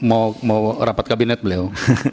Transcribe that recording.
mau rapat kabinet beliau